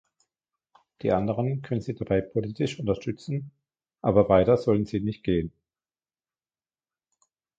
Die anderen können sie dabei politisch unterstützen, aber weiter sollten sie nicht gehen.